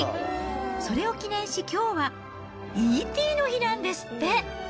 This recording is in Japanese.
それを記念し、きょうはＥ．Ｔ．の日なんですって。